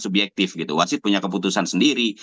subjektif gitu wasit punya keputusan sendiri